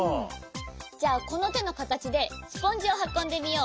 じゃあこのてのかたちでスポンジをはこんでみよう。